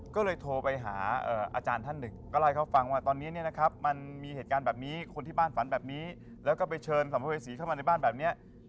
ก็เลยโทรไปหาอาจารย์ท่านหนึ่งก็เล่าให้เขาฟังว่าตอนนี้เนี่ยนะครับมันมีเหตุการณ์แบบนี้คนที่บ้านฝันแบบนี้แล้วก็ไปเชิญสัมภเวษีเข้ามาในบ้านแบบนี้